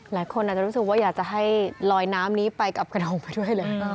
หลายคนอาจจะรู้สึกว่าอยากจะให้ลอยน้ำนี้ไปกับกระทงไปด้วยเลย